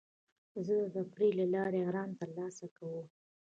زه د تفریح له لارې ارام ترلاسه کوم.